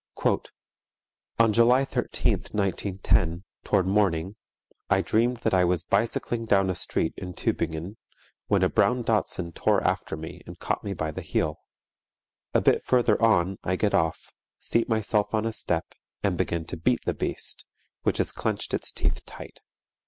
"On July 13, 1910, toward morning, I dreamed _that I was bicycling down a street in Tübingen, when a brown Dachshund tore after me and caught me by the heel. A bit further on I get off, seat myself on a step, and begin to beat the beast, which has clenched its teeth tight.